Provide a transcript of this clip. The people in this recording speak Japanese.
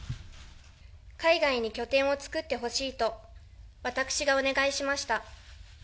海外に拠点を作ってほしいと、私がお願いしました。